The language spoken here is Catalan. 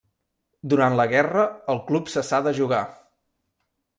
Durant la guerra, el club cessà de jugar.